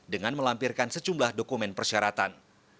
dengan melampirkan sejumlah dokumen persyaratan